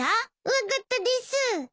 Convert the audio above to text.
分かったです。